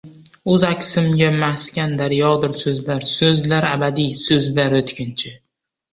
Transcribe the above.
O‘z aksimga maskan daryodir so‘zlar. So‘zlar abadiy, so‘zlar o‘tkinchi.